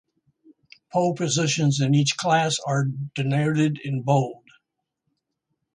Pole positions in each class are denoted in bold.